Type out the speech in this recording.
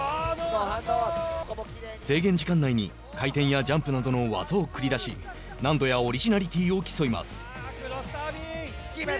制限時間内に回転やジャンプなどの技を繰り出し難度やオリジナリティーを競います。